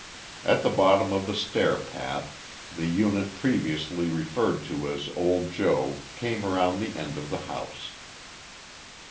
At the bottom of the stair path, the unit previously referred to as old Joe came round the end of the house.